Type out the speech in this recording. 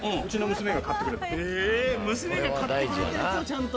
娘が買ってくれたやつをちゃんと。